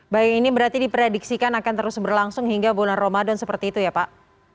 baik ini berarti diprediksikan akan terus berlangsung hingga bulan ramadan seperti itu ya pak